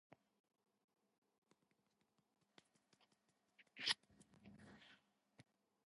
Most of the traffic on the canal was coal, bound for Shrewsbury.